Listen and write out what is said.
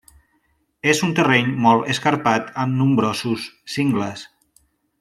És un terreny molt escarpat amb nombrosos cingles.